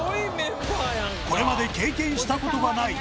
これまで経験したことがない